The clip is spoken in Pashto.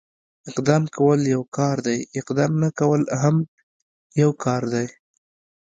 اقدام کول يو کار دی، اقدام نه کول هم يو کار دی.